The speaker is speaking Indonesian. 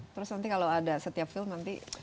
terus nanti kalau ada setiap film nanti